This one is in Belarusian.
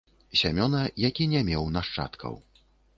Сямёна, які не меў нашчадкаў.